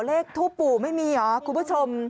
ทูปู่ไม่มีเหรอคุณผู้ชม